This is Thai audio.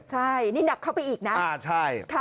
ใช่นี่หนักเข้าไปอีกนะ